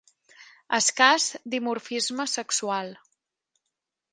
Escàs dimorfisme sexual.